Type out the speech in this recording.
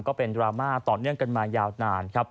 ก็เป็นดราม่าต่อเนื่องกันมายาวนานครับ